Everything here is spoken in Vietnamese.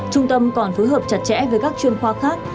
trung tâm còn phối hợp chặt chẽ với các chuyên khoa khác